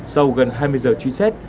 sau gần hai mươi giờ truy xét